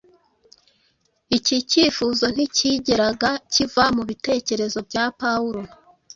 Iki cyifuzo nticyigeraga kiva mu bitekerezo bya Pawulo.